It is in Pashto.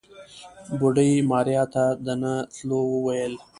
بوډۍ ماريا ته د نه تلو وويل.